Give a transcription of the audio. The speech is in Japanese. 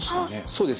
そうです